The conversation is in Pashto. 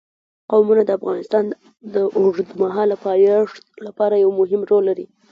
قومونه د افغانستان د اوږدمهاله پایښت لپاره یو مهم رول لري.